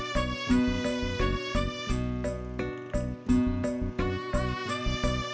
kenapa k sytuasinya millennials